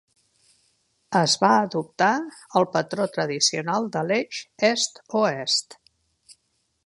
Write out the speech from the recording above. Es va adoptar el patró tradicional de l"eix est-oest.